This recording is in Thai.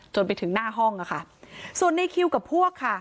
จนไปถึงหน้าห้องอะค่ะส่วนในคิวกับพวกค่ะ